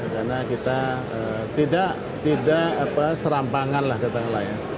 karena kita tidak serampangan lah katakanlah ya